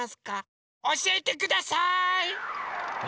おしえてください！